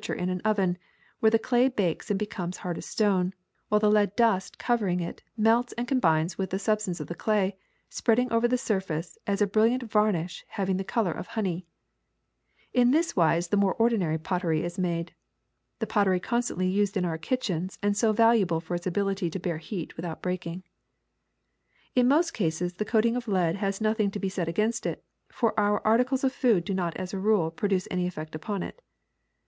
To complete the whole the ves 170 THE SECRET OF EVERYDAY THINGS sel is subjected to a high temperature in an oven, where the clay bakes and becomes hard stone, while the lead dust covering it melts and combines with the substance of the clay, spreading over the surface as a brilliant varnish having the color of honey. In this wise the more ordinary pottery is made, the pot tery constantly used in our kitchens and so valuable for its ability to bear heat without breaking. ^^In most cases the coating of lead has nothing to be said against it, for our articles of food do not, as a rule, produce any effect upon it.